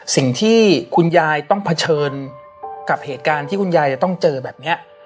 สิ่งที่คุณยายต้องเผชิญกับเหตุการณ์ที่คุณยายจะต้องเจอแบบนี้